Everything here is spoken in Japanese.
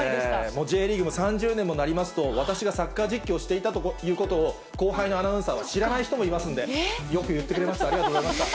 もうＪリーグも３０年になりますと、私がサッカー実況していたということを、後輩のアナウンサーは知らない人もいますんで、よく言ってくれました、ありがとうございました。